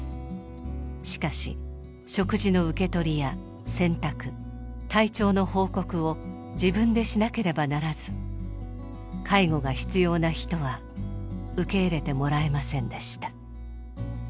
しかし食事の受け取りや洗濯体調の報告を自分でしなければならず介護が必要な人は受け入れてもらえませんでした。